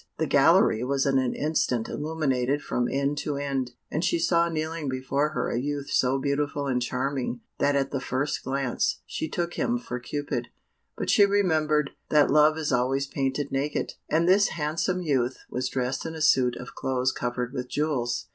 The gallery was in an instant illuminated from end to end, and she saw kneeling before her a youth so beautiful and charming, that at the first glance she took him for Cupid, but she remembered that Love is always painted naked, and this handsome youth was dressed in a suit of clothes covered with jewels.